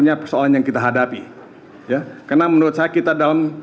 ya karena menurut saya kita dalam